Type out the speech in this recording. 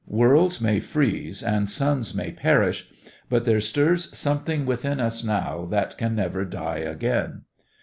Worlds may freeze and suns may perish, but there stirs something within us now that can never die again.